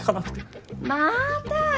また？